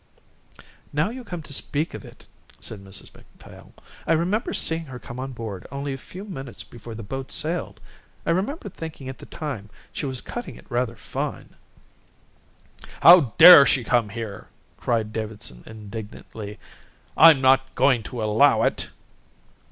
"Now you come to speak of it," said Mrs Macphail, "I remember seeing her come on board only a few minutes before the boat sailed. I remember thinking at the time she was cutting it rather fine." "How dare she come here!" cried Davidson indignantly. "I'm not going to allow it."